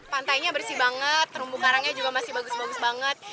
pantainya bersih banget terumbu karangnya juga masih bagus bagus banget